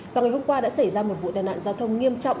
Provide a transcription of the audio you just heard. vào ngày hôm qua đã xảy ra một vụ tai nạn giao thông nghiêm trọng